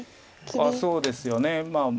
ああそうですよね。